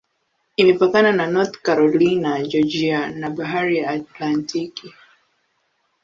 Imepakana na North Carolina, Georgia na Bahari ya Atlantiki.